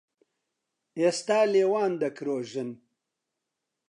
ئێستا لێوان دەکرۆژن